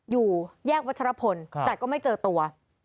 อยู่แยกวัชรพลแต่ก็ไม่เจอตัว